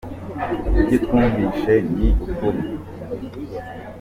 Ibyo twumvishe ni ukuri